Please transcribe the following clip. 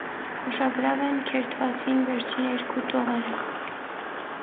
Ուշագրաւ են քերթուածին վերջիներկու տողերը։